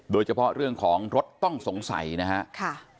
โดยเฉพาะเรื่องของรถต้องสงสัยนะครับ